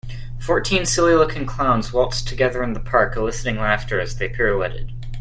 Fourteen silly looking clowns waltzed together in the park eliciting laughter as they pirouetted.